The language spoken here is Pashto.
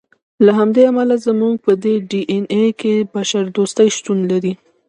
له همدې امله زموږ په ډي اېن اې کې بشر دوستي شتون لري.